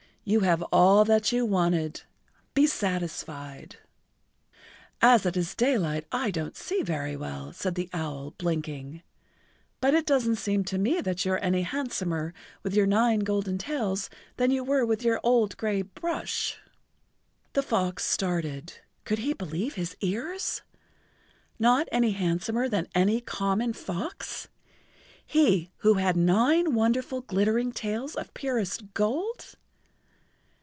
You have all that you wanted—be satisfied." "As it is daylight I don't see very well," said the owl, blinking, "but it doesn't seem to me that you are any handsomer with your nine golden tails than you were with your old gray brush." The fox started. Could he believe his ears? Not any handsomer than any common fox—he who had nine wonderful, glittering tails of purest gold?